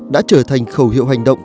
đã trở thành khẩu hiệu hành động